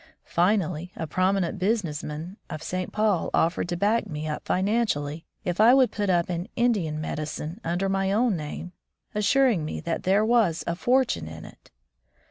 Finally, a prominent business man of St. Paul offered to back me up financially if I would put up an ^^ Indian medicine" under my own name, assuring me that there was "a fortune in it."